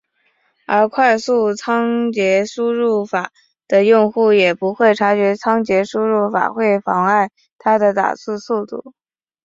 而快速仓颉输入法的用户也不会察觉仓颉输入法会妨碍他的打字速度。